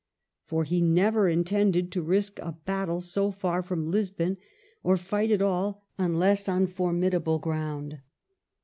For he never intended to risk a battle so far from Lisbon, or fight at all, unless on formidable ground.